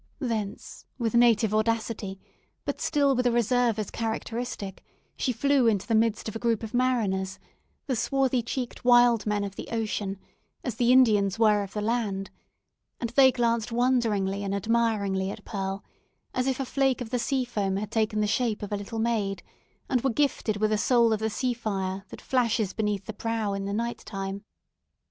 Thence, with native audacity, but still with a reserve as characteristic, she flew into the midst of a group of mariners, the swarthy cheeked wild men of the ocean, as the Indians were of the land; and they gazed wonderingly and admiringly at Pearl, as if a flake of the sea foam had taken the shape of a little maid, and were gifted with a soul of the sea fire, that flashes beneath the prow in the night time.